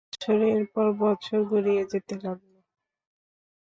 বছরের পর বছর গড়িয়ে যেতে লাগল।